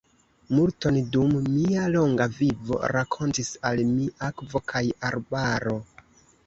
Multon dum mia longa vivo rakontis al mi akvo kaj arbaro!